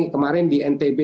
kemarin di ntb